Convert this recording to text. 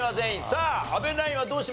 さあ阿部ナインはどうします？